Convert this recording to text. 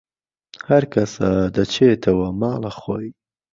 هەرکەسە دەچێتەوە ماڵەخۆی